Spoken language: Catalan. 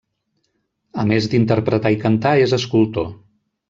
A més d'interpretar i cantar, és escultor.